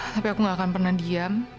tapi aku gak akan pernah diam